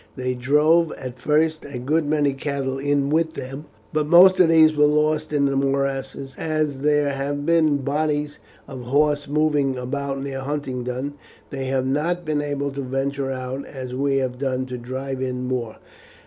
They drove at first a good many cattle in with them, but most of these were lost in the morasses, and as there have been bodies of horse moving about near Huntingdon, they have not been able to venture out as we have done to drive in more."